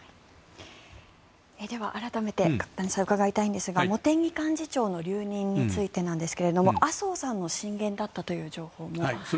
では、改めて角谷さんに伺いたいんですが茂木幹事長の留任についてですが麻生さんの進言だったという情報がありますが。